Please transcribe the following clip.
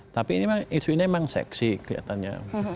tapi isu ini memang seksi kelihatannya